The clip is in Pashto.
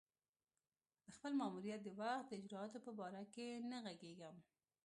د خپل ماموریت د وخت د اجرآتو په باره کې نه ږغېږم.